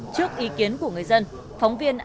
trước ý kiến của người dân